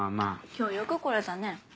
今日よく来れたね。